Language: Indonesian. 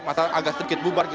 masa agak sedikit bubar